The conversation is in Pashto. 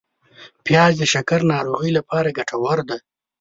پیاز د شکر ناروغۍ لپاره ګټور دی